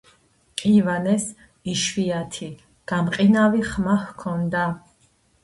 ივანეს იშვიათი, „გამყივანი“ ხმა ჰქონდა.